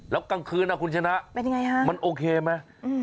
แล้วกลางคืนนะคุณชนะมันโอเคไหม